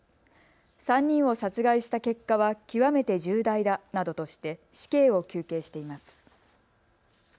３人を殺害した結果は極めて重大だなどとして死刑を求刑しています。